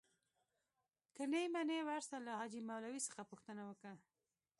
که نې منې ورسه له حاجي مولوي څخه پوښتنه وکه.